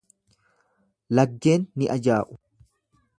Laggeen ni ajaa'u.